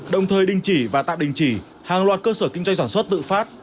đồng thời đình chỉ và tạm đình chỉ hàng loạt cơ sở kinh doanh sản xuất tự phát